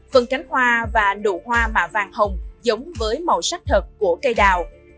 phần cánh hoa và nụ hoa mạ vàng hồng giống với màu sắc thật của cây đào